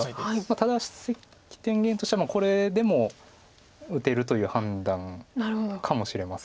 ただ関天元としてはこれでも打てるという判断かもしれません。